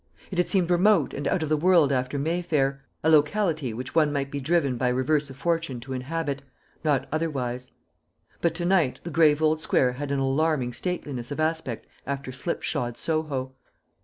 It had seemed remote and out of the world after Mayfair a locality which one might be driven by reverse of fortune to inhabit, not otherwise. But to night the grave old square had an alarming stateliness of aspect after slipshod Soho.